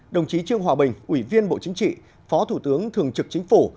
đồng chí trương hòa bình ủy viên bộ chính trị phó thủ tướng thường trực chính phủ